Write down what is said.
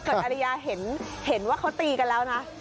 อริยาเห็นว่าเขาตีกันแล้วนะ